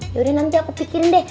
yaudah nanti aku pikir deh